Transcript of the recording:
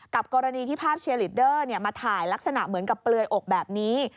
กรณีที่ภาพเชียร์ลีดเดอร์มาถ่ายลักษณะเหมือนกับเปลือยอกแบบนี้